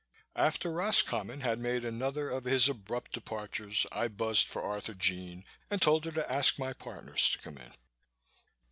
After Roscommon had made another of his abrupt departures, I buzzed for Arthurjean and told her to ask my partners to come in.